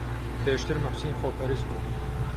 پێشتر موحسین خۆپەرست بوو.